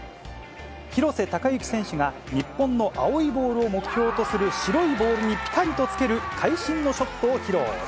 広瀬隆喜選手が日本の青いボールを目標とする白いボールにぴたりとつける会心のショットを披露。